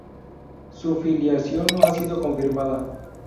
Su filiación no ha sido confirmada.